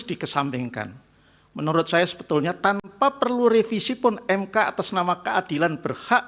dikesampingkan menurut saya sebetulnya tanpa perlu revisi pun mk atas nama keadilan berhak